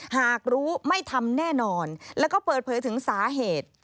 หากรู้ไม่ทำแน่นอนแล้วก็เปิดเผยถึงสาเหตุ